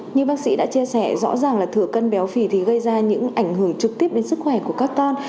như bác sĩ đã chia sẻ rõ ràng là thừa cân béo phì thì gây ra những ảnh hưởng trực tiếp đến sức khỏe của các con